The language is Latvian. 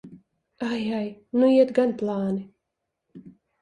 Ai, ai! Nu iet gan plāni!